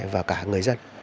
và cả người dân